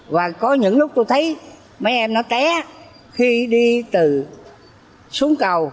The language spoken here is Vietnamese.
và có những lúc tôi thấy mấy em nó té khi đi từ xuống cầu